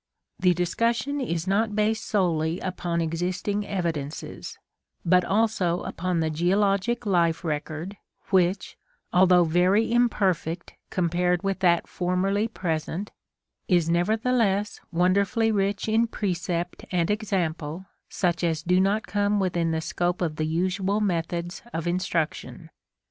The discussion is not based solely upon existing evidences, but also upon the geologic life record, which, although very imperfect com pared with that formerly present, is nevertheless wonderfully rich in precept and example such as do not come within the scope of the usual methods of instruction.